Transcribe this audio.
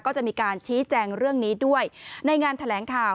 ก็จะมีการชี้แจงเรื่องนี้ด้วยในงานแถลงข่าว